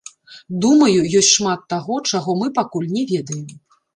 Думаю, ёсць шмат таго, чаго мы пакуль не ведаем.